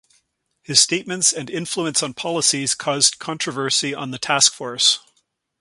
His statements and influence on policies caused controversy on the task force.